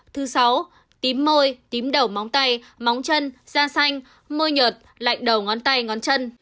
thứ sáu tím môi tím đầu móng tay móng chân da xanh môit lạnh đầu ngón tay ngón chân